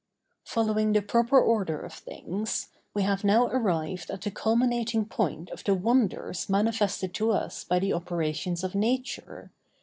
Following the proper order of things, we have now arrived at the culminating point of the wonders manifested to us by the operations of Nature.